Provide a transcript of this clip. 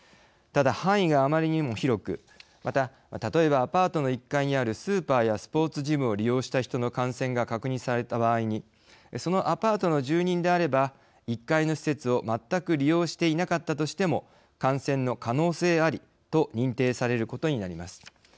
ただ、範囲があまりにも広くまた、例えばアパートの１階にあるスーパーやスポーツジムを利用した人の感染が確認された場合にそのアパートの住人であれば１階の施設を全く利用していなかったとしても感染の可能性ありと認定されることになります。